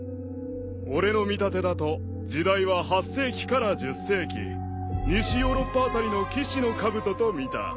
俺の見立てだと時代は８世紀から１０世紀西ヨーロッパあたりの騎士のかぶととみた